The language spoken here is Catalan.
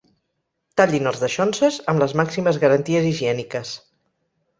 Tallin els daixonses amb les màximes garanties higièniques.